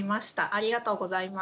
ありがとうございます。